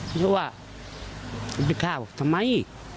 เพราะว่าจะไปฆ่าบอกทำไม